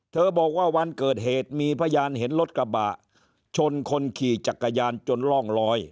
บอกว่าวันเกิดเหตุมีพยานเห็นรถกระบะชนคนขี่จักรยานจนร่องลอย